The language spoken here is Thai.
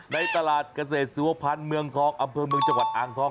ในตลาดเกษตรสุวพันธ์เมืองทองอำเภอเมืองจังหวัดอ่างทอง